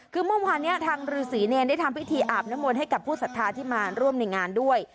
คือเมื่อวานนี้ทางฤษีเนรได้ทำพิธีอาบน้ำมนต์ให้กับผู้ศรัทธาที่มาร่วมในงานด้วย